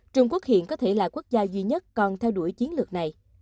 trung quốc hiện có thể là quốc gia duy nhất còn theo đuổi chiến lược này